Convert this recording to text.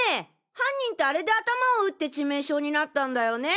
犯人ってあれで頭を打って致命傷になったんだよね。